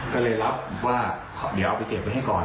ก็เลยรับว่าเดี๋ยวเอาไปเก็บไว้ให้ก่อน